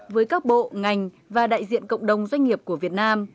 với các bộ ngành và đại diện cộng đồng doanh nghiệp của việt nam